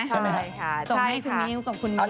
ใช่ไหมฮะส่งให้คุณนิ้วขอบคุณนิ้ว